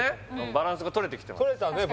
バランスがとれてきてますとれたね